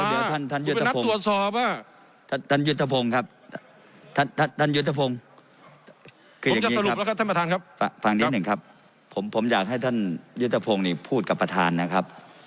เดี๋ยวท่านท่านยุธภงท่านยุธภงครับท่านท่านยุธภงคืออย่างนี้ครับฟังนี้หนึ่งครับผมผมอยากให้ท่านยุธภงนี่พูดกับประธานนะครับ